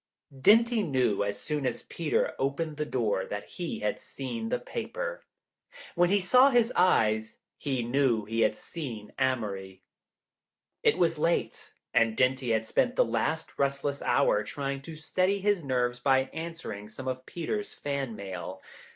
Dinty knew as soon as Peter opened the door that he had seen the paper. When he saw his eyes, he knew he had seen Amory. It was late and Dinty had spent the Jast rest less hour trying to steady his nerves by answer ing some of Peter's fan mail.